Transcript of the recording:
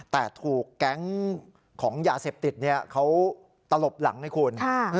แต่ถูกแก๊งของยาเสพติดเขาตลบหลังให้คุณ